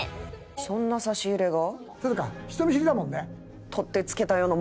「そんな差し入れが？」